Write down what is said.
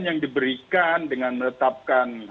yang diberikan dengan menetapkan